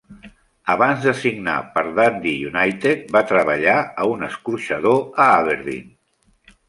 Abans de signar per Dundee United, va treballar a un escorxador a Aberdeen.